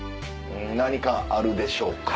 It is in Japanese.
何かあるでしょうか？